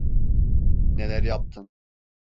Neler yaptın?